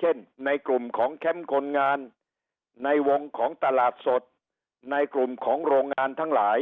เช่นในกลุ่มของแคมป์คนงานในวงของตลาดสดในกลุ่มของโรงงานทั้งหลาย